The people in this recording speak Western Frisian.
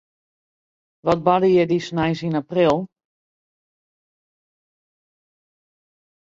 Wat barde hjir dy sneins yn april?